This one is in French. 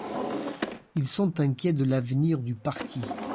Ils sont inquiets de l'avenir du parti.